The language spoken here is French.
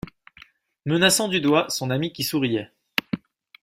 menaçant du doigt son ami qui souriait.